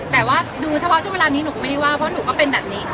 แต่ว่าดูเฉพาะช่วงเวลานี้หนูก็ไม่ได้ว่าเพราะหนูก็เป็นแบบนี้